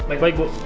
baik baik bu